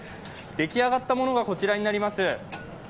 出来上がったものがこちらになります。